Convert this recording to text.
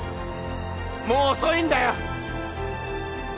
もう遅いんだよ！